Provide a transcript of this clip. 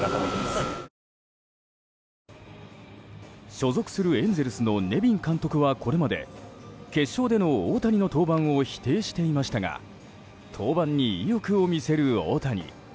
所属するエンゼルスのネビン監督は、これまで決勝での大谷の登板を否定していましたが登板に意欲を見せる大谷。